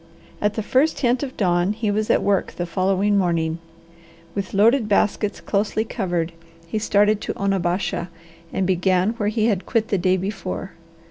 At the first hint of dawn he was at work the following morning. With loaded baskets closely covered, he started to Onabasha, and began where he had quit the day before.